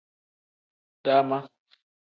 Dama.